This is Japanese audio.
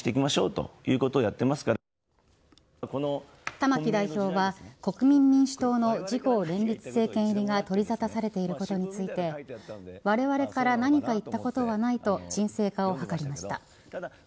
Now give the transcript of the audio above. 玉木代表は国民民主党の自公連立政権入りが取り沙汰されていることについてわれわれから何か言ったことはないと沈静化をはかりました。